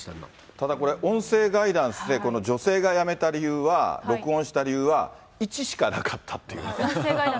ただこれ、音声ガイダンスで、女性がやめた理由は、録音した理由は、１しかなかったっていう。